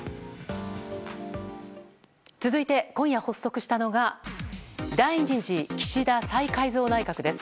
続いて、今夜発足したのが第２次岸田再改造内閣です。